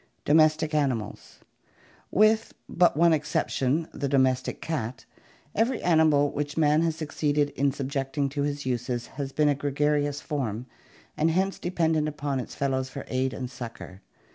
Domestic Animals. — With but a single exception — the domestic ANIMAL ASSOCIATIONS. COMMUNALISM 251 cat — every animal which man has succeeded in subjecting to his uses has been a gregarious form and hence dependent upon its fellows for aid and succor.